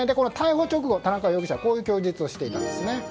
逮捕直後田中容疑者はこういう供述をしています。